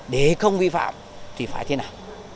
để không vi phạm thì phải thế nào